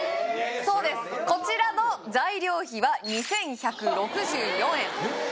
そうですこちらの材料費は２１６４円ええー